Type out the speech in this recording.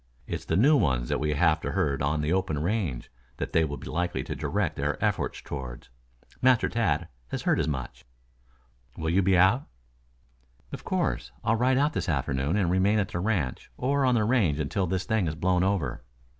It's the new ones that we have to herd on the open range that they will be likely to direct their efforts toward. Master Tad has heard as much." "Will you be out?" "Of course. I'll ride out this afternoon and remain at the ranch or on the range until this thing has blown over.